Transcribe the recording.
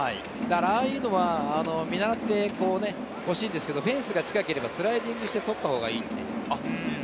ああいうのは見習ってほしいんですけれど、フェンスが近ければ、スライディングをして捕ったほうがいいです。